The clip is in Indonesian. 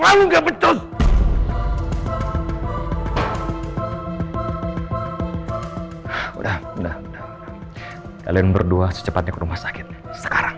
hai kalian berdua secepatnya ke rumah sakit advance sekarang